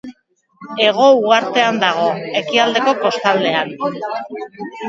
Hego Uhartean dago, ekialdeko kostaldean.